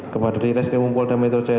kepada rilis kewumpul dan metro caya